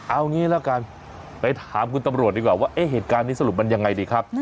เอางี้ละกันไปถามคุณตำรวจดีกว่าว่าเอ๊ะเหตุการณ์นี้สรุปมันยังไงดีครับ